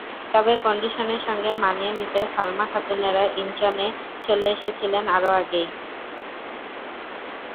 তবে কন্ডিশনের সঙ্গে মানিয়ে নিতে সালমা খাতুনেরা ইনচনে চলে এসেছিলেন আরও আগেই।